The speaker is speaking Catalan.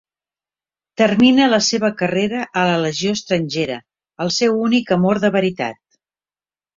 Termina la seva carrera a la legió estrangera, el seu únic amor de veritat.